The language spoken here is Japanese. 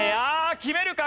決めるか！？